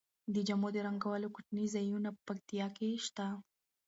د جامو د رنګولو کوچني ځایونه په پکتیا کې شته.